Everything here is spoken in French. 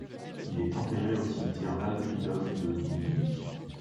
Il est enterré au cimetière Waldfriedhof de Munich.